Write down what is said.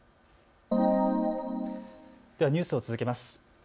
ニュースを続けます。